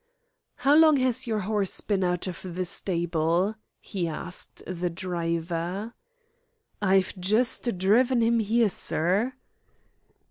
"How long has your horse been out of the stable?" he asked the driver. "I've just driven him here, sir."